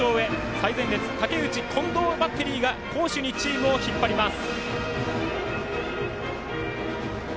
最前列武内、近藤のバッテリーが攻守にチームを引っ張ります。